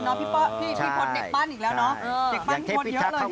พี่พนช์เด็กปั้นอีกแล้วนะ